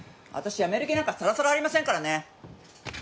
私辞める気なんかさらさらありませんからね。